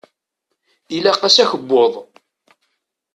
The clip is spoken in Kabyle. Ilaq-as akebbuḍ.